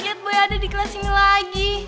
lihat boy ada di kelas ini lagi